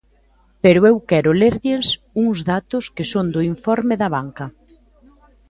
Pero eu quero lerlle uns datos que son do informe de Abanca.